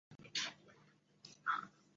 继位的莫元清逃往中国避难。